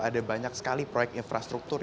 ada banyak sekali proyek infrastruktur